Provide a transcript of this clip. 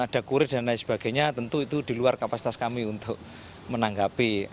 ada kurir dan lain sebagainya tentu itu di luar kapasitas kami untuk menanggapi